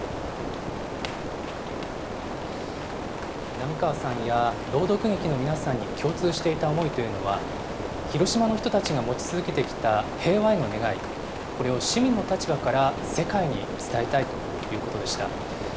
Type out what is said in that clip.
並川さんや朗読劇の皆さんに共通していた思いというのは、広島の人たちが持ち続けてきた平和への願い、これを市民の立場から世界に伝えたいということでした。